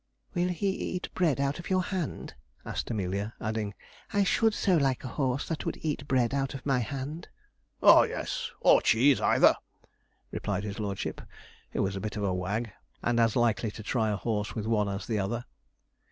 'Will he eat bread out of your hand?' asked Amelia, adding, 'I should so like a horse that would eat bread out of my hand.' 'Oh yes; or cheese either,' replied his lordship, who was a bit of a wag, and as likely to try a horse with one as the other.